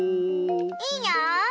いいよ！